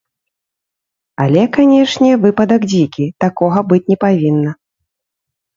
Але, канечне, выпадак дзікі, такога быць не павінна.